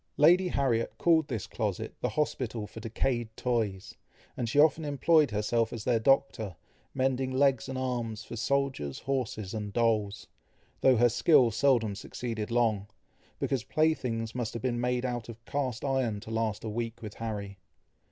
Lady Harriet called this closet the hospital for decayed toys, and she often employed herself as their doctor, mending legs and arms for soldiers, horses, and dolls, though her skill seldom succeeded long, because play things must have been made of cast iron to last a week with Harry.